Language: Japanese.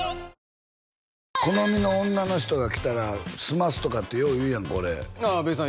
好みの女の人が来たら澄ますとかってよう言うやんか俺ああべーさん